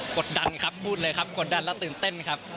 กดดันครับพูดเลยครับกดดันและตื่นเต้นครับ